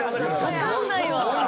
わかんないわ。